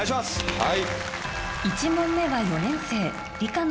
はい。